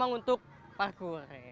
memang untuk parkur